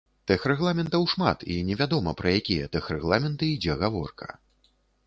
Тэхрэгламентаў шмат, і не вядома, пра якія тэхрэгламенты ідзе гаворка.